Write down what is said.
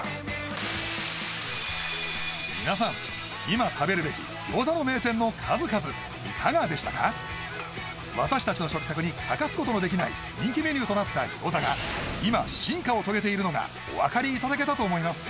今食べるべき餃子の名店の数々いかがでしたか私達の食卓に欠かすことのできない人気メニューとなった餃子が今進化を遂げているのがお分かりいただけたと思います